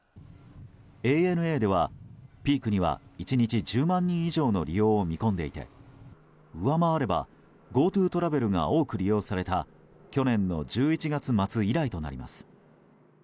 ＡＮＡでは、ピークには１日１０万人以上の利用を見込んでいて上回ればＧｏＴｏトラベルが多く利用された去年の１１月末以来となります。